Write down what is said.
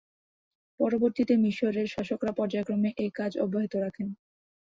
পরবর্তীতে মিসরের শাসকরা পর্যায়ক্রমে এ কাজ অব্যাহত রাখেন।